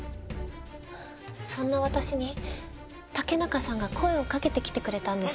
そんな私に竹中さんが声をかけてきてくれたんです。